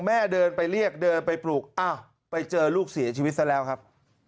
เดินไปเรียกเดินไปปลูกอ้าวไปเจอลูกเสียชีวิตซะแล้วครับ